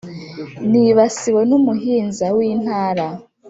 nibasiwe n’umuhinza w’intara